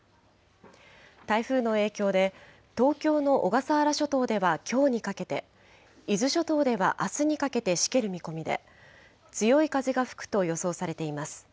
台風の影響で、東京の小笠原諸島ではきょうにかけて、伊豆諸島ではあすにかけてしける見込みで、強い風が吹くと予想されています。